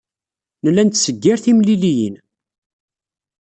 Nella nettseggir timliliyin.